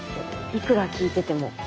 いくら聞いてても。